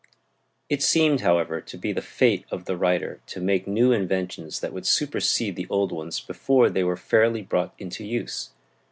It seemed, however, to be the fate of the writer to make new inventions that would supersede the old ones before they were fairly brought into use.